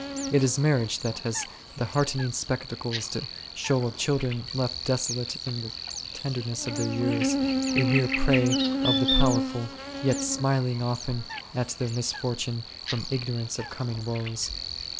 It is marriage that has the heartrending spectacles to show of children left desolate in the tenderness of their years, a mere prey to the powerful, yet smiling often at their misfortune from ignor ance of coming woes.